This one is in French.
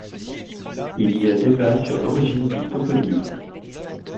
Il y a débat sur l'origine du toponyme.